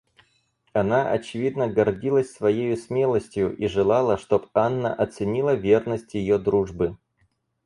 Она, очевидно, гордилась своею смелостью и желала, чтоб Анна оценила верность ее дружбы.